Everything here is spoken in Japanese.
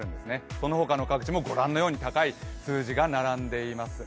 そのほかの各地もご覧のように高い数字が並んでいます。